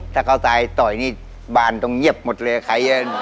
ถ้าเขาตายต่อยนี่บ้านตรงเงียบหมดเลยใคร